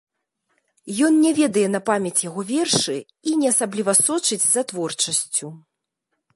Ён не ведае на памяць яго вершы і не асабліва сочыць за творчасцю.